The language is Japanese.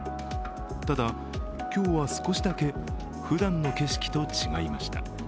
ただ、今日は少しだけふだんの景色と違いました。